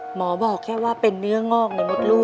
หมอบอกแค่ว่าเป็นเนื้องอกในมดลูก